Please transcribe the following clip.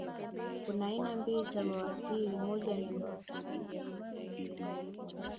kuna aina mbili za bawasiri moja ni bawasiri ya nje ya puru